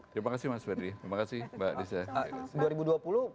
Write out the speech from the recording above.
terima kasih mas berdi terima kasih mbak disda